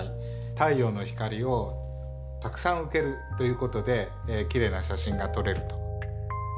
太陽の光をたくさん受けるということできれいな写真が撮れると。